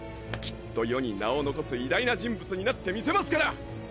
きっと世に名を残す偉大な人物になってみせますから！